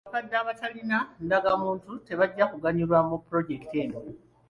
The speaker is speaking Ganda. Abakadde abatalina ndagamuntu tebajja kuganyulwa mu pulojekiti eno.